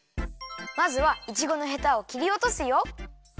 まずはいちごのヘタをきりおとすよ。